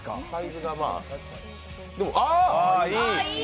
ああ、いい。